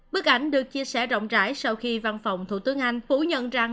bức ảnh được chia sẻ rộng rãi sau khi văn phòng thủ tướng anh phú nhận rằng